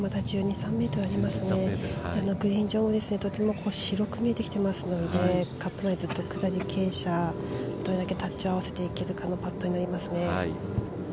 グリーン上とても白く見えてきていますので、かなり傾斜どれだけタッチを合わせていけるかのパットになりますね。